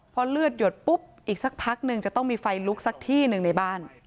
พอเลือดหยดปุ๊บอีกสักพักนึงจะต้องมีไฟลุกสักที่หนึ่งในบ้าน